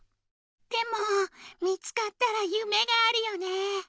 でも見つかったらゆめがあるよね。